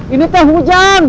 ini tuh hujan